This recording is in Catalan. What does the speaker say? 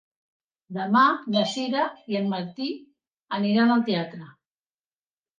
Demà na Sira i en Martí aniran al teatre.